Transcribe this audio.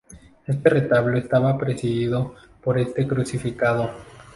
Este retablo estaba presidido por este crucificado.